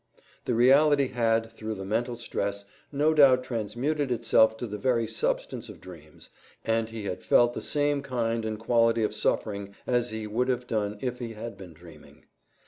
_" The reality had, through the mental stress, no doubt transmuted itself to the very substance of dreams, and he had felt the same kind and quality of suffering as he would have done if he had been dreaming.